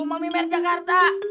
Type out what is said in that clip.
mami mer jakarta